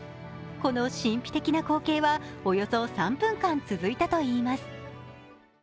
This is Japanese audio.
この神秘的な光景はおよそ３分間続いたといいます。